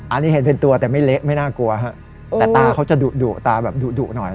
อันนี้เห็นเป็นตัวแต่ไม่เละไม่น่ากลัวฮะแต่ตาเขาจะดุดุตาแบบดุดุหน่อย